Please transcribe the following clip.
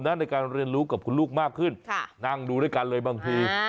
ในการเรียนรู้กับคุณลูกมากขึ้นนั่งดูด้วยกันเลยบางที